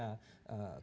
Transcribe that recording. kepada tenaga kerja